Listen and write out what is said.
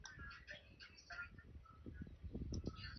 Un impacto en un vaso sanguíneo importante solía ser muy grave.